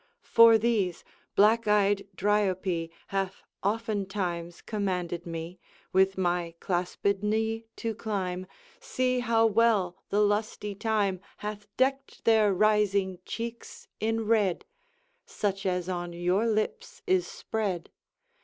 For these, black eyed Driope Hath oftentimes commanded me With my clasped knee to climb. See how well the lusty time Hath decked their rising cheeks in red, Such as on your lips is spread.